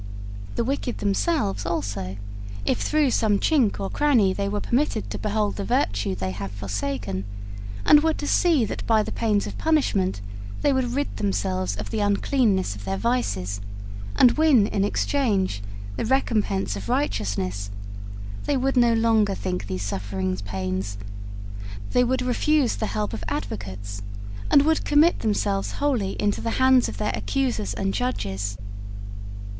The wicked themselves also, if through some chink or cranny they were permitted to behold the virtue they have forsaken, and were to see that by the pains of punishment they would rid themselves of the uncleanness of their vices, and win in exchange the recompense of righteousness, they would no longer think these sufferings pains; they would refuse the help of advocates, and would commit themselves wholly into the hands of their accusers and judges.